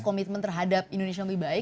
komitmen terhadap indonesia yang lebih baik